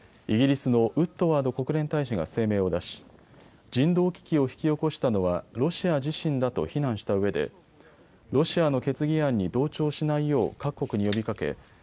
イギリスのウッドワード国連大使が声明を出し人道危機を引き起こしたのはロシア自身だと非難したうえでロシアの決議案に同調しないよう各国に呼びかけ